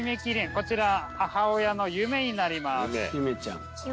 こちらは母親の夢になります。